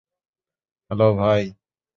Hello, ভাই।